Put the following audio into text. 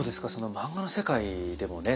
漫画の世界でもね